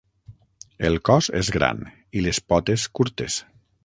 El cos és gran i les potes curtes.